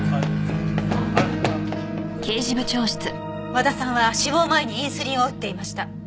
和田さんは死亡前にインスリンを打っていました。